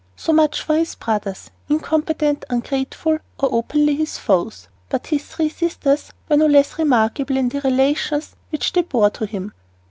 So much for his brothers incompetent, ungrateful, or openly his foes. But his three sisters were no less remarkable in the relations which they bore to him.